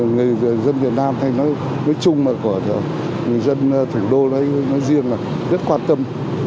người dân việt nam hay nói chung mà của người dân thủ đô nói riêng là rất quan tâm